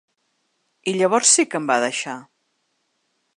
I llavors sí que em va deixar!